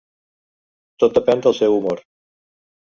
Tot depèn del seu humor.